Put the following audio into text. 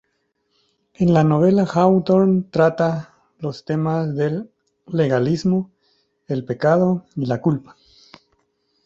En la novela Hawthorne trata los temas del legalismo, el pecado y la culpa.